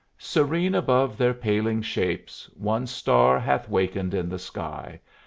Serene above their paling shapes One star hath wakened in the sky.